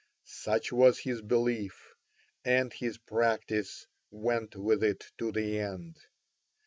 Such was his belief, and his practice went with it to the end.